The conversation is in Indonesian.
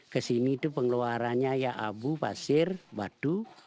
kesini itu pengeluarannya ya abu pasir batu